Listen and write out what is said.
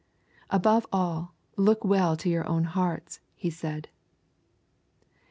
'Above all, look well to your own hearts,' he said.